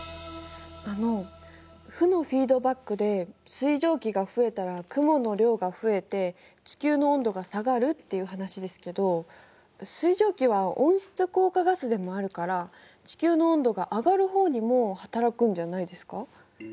あの負のフィードバックで水蒸気が増えたら雲の量が増えて地球の温度が下がるっていう話ですけど水蒸気は温室効果ガスでもあるから地球の温度が上がる方にも働くんじゃないですか？